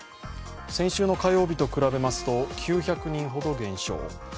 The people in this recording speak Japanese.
先週の火曜日と比べますと９００人ほど減少。